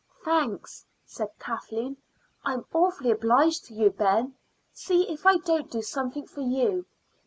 "Thanks," said Kathleen. "I'm awfully obliged to you, Ben. See if I don't do something for you.